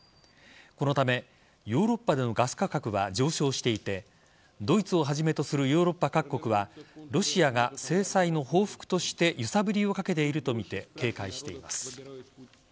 このため、ヨーロッパでのガス価格は上昇していてドイツをはじめとするヨーロッパ各国はロシアが制裁の報復として揺さぶりをかけているとみて警戒しています。